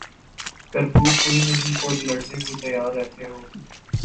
کرتوت کوئی نہیں اور لڑنے کو تیار رہتے ہو